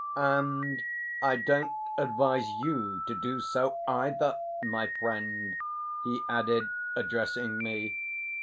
"And I don't advise you to do so either, my friend," he added, addressing me.